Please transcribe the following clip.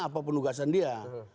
apa penugasan dia